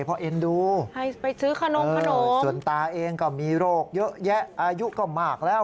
เพราะเอ็นดูส่วนตาเองก็มีโรคเยอะแยะอายุก็มากแล้ว